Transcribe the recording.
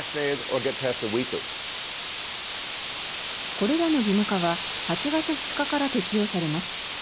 これらの義務化は８月２日から適用されます。